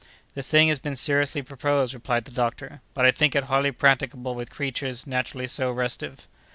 "The thing has been seriously proposed," replied the doctor, "but I think it hardly practicable with creatures naturally so restive."